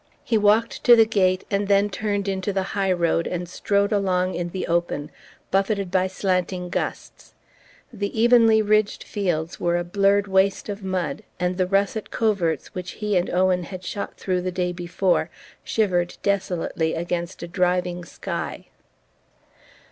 He walked to the gate and then turned into the high road and strode along in the open, buffeted by slanting gusts. The evenly ridged fields were a blurred waste of mud, and the russet coverts which he and Owen had shot through the day before shivered desolately against a driving sky.